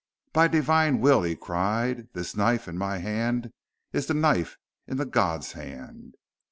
"By Divine Will," he cried, "this knife in my hand is the knife in the God's hand!"